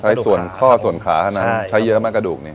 ใช้ส่วนข้อส่วนขาเท่านั้นใช้เยอะมากกระดูกนี้